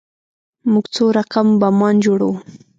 موږ څو رقم بمان جوړوو.